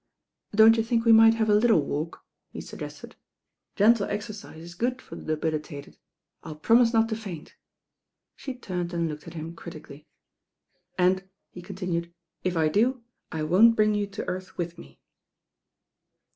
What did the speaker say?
"Don't you think we might have a little walk," he suggested. "Gentle exercise is good for the debili tated. I'll promise not to faint." She turned and looked at him critically. "And," he continued, "if I do, I won't bring you to earth with me."